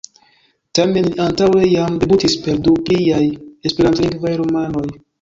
Tamen li antaŭe jam debutis per du pliaj esperantlingvaj romanoj.